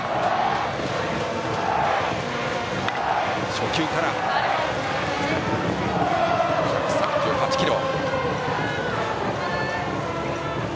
初球、１３８キロ。